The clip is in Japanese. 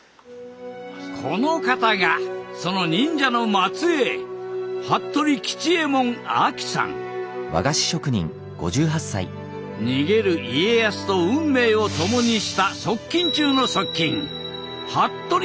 この方がその忍者の末裔逃げる家康と運命をともにした側近中の側近服部半蔵一族の末裔だ。